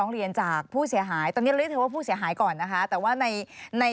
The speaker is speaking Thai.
คดีสารแล้วก็ทวนอะไรไม่ได้